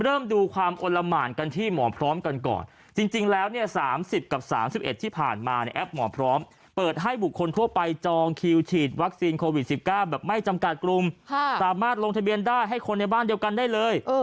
เริ่มดูความอลละหมานกันที่หมอพร้อมกันก่อนจริงแล้วเนี่ย๓๐กับ๓๑ที่ผ่านมาในแอปหมอพร้อมเปิดให้บุคคลทั่วไปจองคิวฉีดวัคซีนโควิด๑๙แบบไม่จำกัดกลุ่มสามารถลงทะเบียนได้ให้คนในบ้านเดียวกันได้เลย